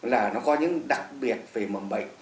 là nó có những đặc biệt về mầm bệnh